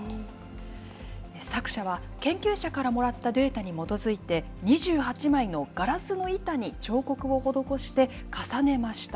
作者は、研究者からもらったデータに基づいて、２８枚のガラスの板に彫刻を施して、重ねました。